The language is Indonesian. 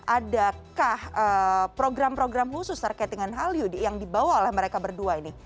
adakah program program khusus terkait dengan hallyu yang dibawa oleh mereka berdua ini